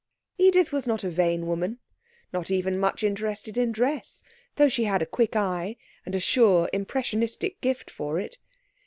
Edith was not a vain woman, not even much interested in dress, though she had a quick eye and a sure impressionistic gift for it.